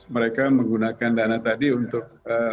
mereka menggunakan dana tadi untuk